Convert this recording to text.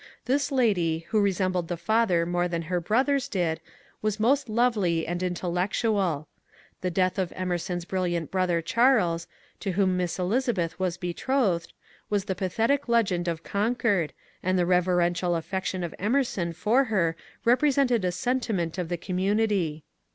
This lady, who resembled the father more than her brothers did, was most lovely and intellectual. The death of Emerson's brilliant brother Charles, to whom Miss Elizabeth was be trothed, was the pathetic legend of Concord, and the reveren tial affection of Emerson for her represented a sentiment of the community.